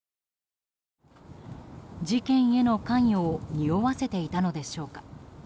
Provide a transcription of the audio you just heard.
事件への関与をにおわせていたのでしょうか。